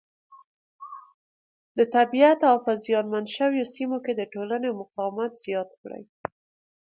د طبیعیت او په زیان منو شویو سیمو کې د ټولنو مقاومت زیات کړي.